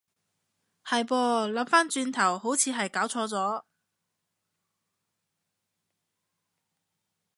係噃，諗返轉頭好似係攪錯咗